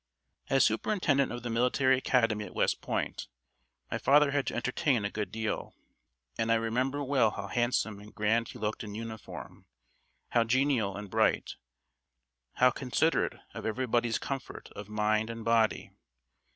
..." As Superintendent of the Military Academy at West Point my father had to entertain a good deal, and I remember well how handsome and grand he looked in uniform, how genial and bright, how considerate of everybody's comfort of mind and body.